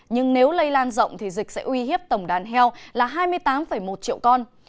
nhưng nếu lây lan rộng thì dịch sẽ uy hiếp tổng đàn heo là hai mươi tám một triệu con